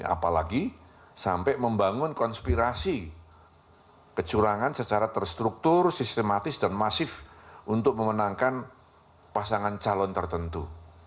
apalagi sampai membangun konspirasi kecurangan secara terstruktur sistematis dan masif untuk memenangkan pasangan calon tertentu